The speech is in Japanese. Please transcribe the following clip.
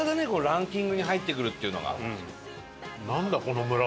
ランキングに入ってくるっていうのが。